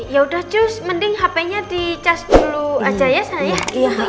yaudah just mending hape nya di charge dulu aja ya sana ya